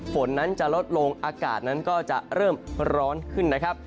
ฝนนั้นจะลดลงอากาศนั้นก็จะเริ่มร้อนขึ้นนะครับ